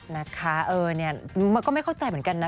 นะคะเออเนี่ยมันก็ไม่เข้าใจเหมือนกันนะ